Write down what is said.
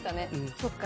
そっか